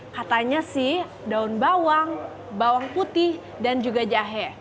katanya sih daun bawang bawang putih dan juga jahe